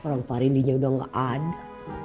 orang pak rendynya udah gak ada